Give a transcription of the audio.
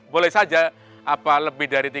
boleh saja lebih dari tiga puluh